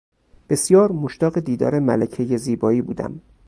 بسیار مشتاق دیدار ملکهی زیبایی بودم.